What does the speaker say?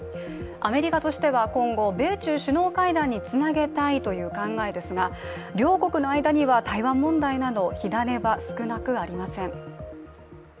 アメリカとしては今後、米中首脳会談につなげたいという考えですが両国の間には台湾問題など火種は少なくありません。